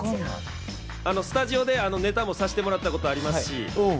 スタジオでネタもさしてもらったことありますし。